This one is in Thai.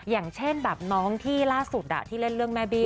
อย่างเช่นแบบน้องที่ล่าสุดที่เล่นเรื่องแม่บี้